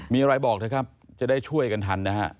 มีอะไรบอกเถอะครับจะได้ช่วยกันทันนะฮะ